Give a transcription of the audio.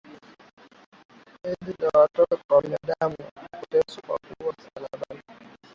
ili kuwaokoa binadamu Baada ya kuteswa na kuuawa msalabani